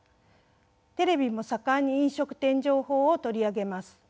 テレビも盛んに飲食店情報を取り上げます。